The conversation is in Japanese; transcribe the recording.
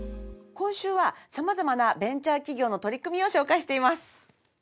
今週は様々なベンチャー企業の取り組みを紹介しています。